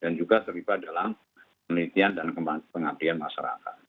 dan juga seribu dalam penelitian dan pengambilan masyarakat